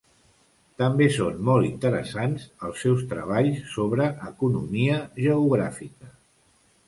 També són molt interessants els seus treballs sobre economia geogràfica.